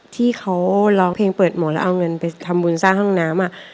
ที่เขาร้องเพลงเปิดโหมดแล้วเอาเงินไปทำบุญสร้างห้องน้ำ